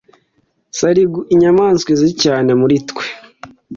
sarigue, inyamaswa izwi cyane muri twe